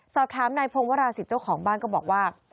สอบถามนายพงวราศิษย์เจ้าของบ้านก็บอกว่า